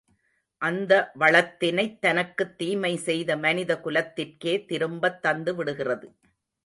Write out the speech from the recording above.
அந்த வளத்தினைத் தனக்குத் தீமை செய்த மனித குலத்திற்கே திரும்பத் தந்து விடுகிறது.